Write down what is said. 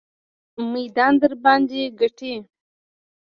میدان درباندې ګټي.